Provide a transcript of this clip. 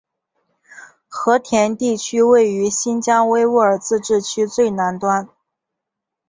和田地区位于新疆维吾尔自治区最南端。